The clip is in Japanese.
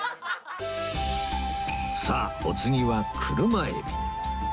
さあお次は車海老